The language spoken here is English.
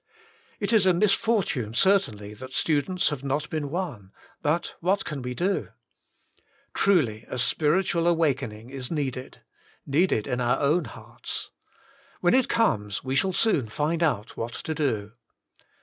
^It is a misfortune certainly that students have not been won, but — ^what can we do?' Truly a spiritual awakening is needed; needed in our own hearts. When it comes we shall soon find out what to do.